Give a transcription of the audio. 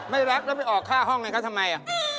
ไม่รับแล้วไปออกค่าห้องให้เขาทำไม